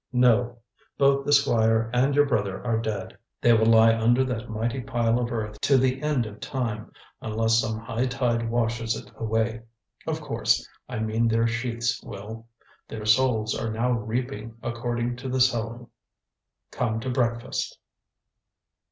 "No. Both the Squire and your brother are dead. They will lie under that mighty pile of earth to the end of time, unless some high tide washes it away. Of course, I mean their sheaths will. Their souls are now reaping according to the sowing. Come to breakfast."